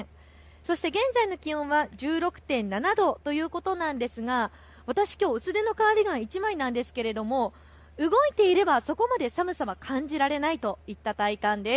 そして現在の気温が１６．７度ということなんですが私、きょう薄手のカーディガン１枚なんですけど動いていればそこまで寒さは感じられないといった体感です。